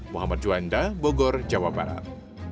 muhammad juanda bogor jawa barat